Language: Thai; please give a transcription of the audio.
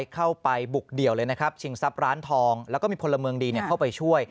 เข้าไปบุกเดี่ยวเลยนะครับชิงทรัพย์ร้านทองแล้วก็มีพลเมืองดีเข้าไปช่วย